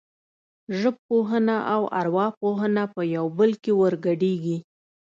ژبپوهنه او ارواپوهنه په یو بل کې ورګډېږي